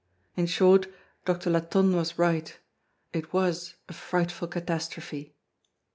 In short, Doctor Latonne was right. It was a frightful catastrophe."